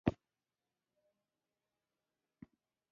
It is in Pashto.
طرزي وایي دا خبرې یې په جدیت وکړې.